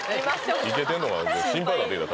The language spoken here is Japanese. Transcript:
見ててんのが心配になってきた